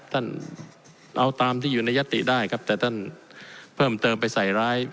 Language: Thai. ท่านเอาตามที่อยู่ในยัตติได้ครับแต่ท่านเพิ่มเติมไปใส่ร้าย